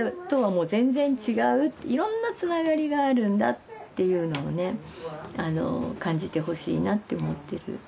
いろんなつながりがあるんだっていうのをね感じてほしいなって思ってる。